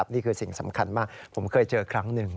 นี่คือสิ่งสำคัญมากผมเคยเจอครั้งหนึ่ง